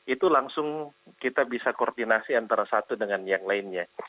itu langsung kita bisa koordinasi antara satu dengan yang lainnya